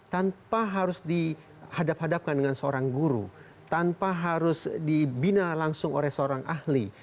tanpa harus dihadap hadapkan dengan seorang guru tanpa harus dibina langsung oleh seorang ahli